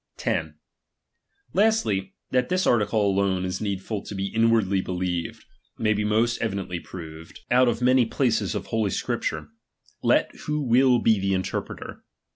10. Lastly, that this article alone is needful to beinwardly believed, may be most evidently proved J HELTGION. CHAP.xviii out of many places of holy Scripture, let who wiB i ■' be the interpreter.